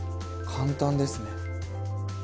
簡単ですね！